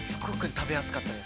◆食べやすかった？